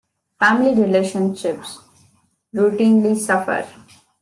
Family relationships routinely suffer.